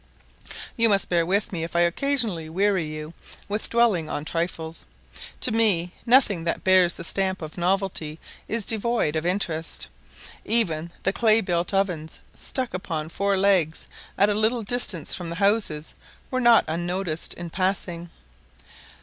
You must bear with me if I occasionally weary you with dwelling on trifles. To me nothing that bears the stamp of novelty is devoid of interest. Even the clay built ovens stuck upon four legs at a little distance from the houses were not unnoticed in passing.